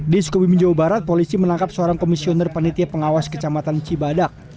di sukabumi jawa barat polisi menangkap seorang komisioner panitia pengawas kecamatan cibadak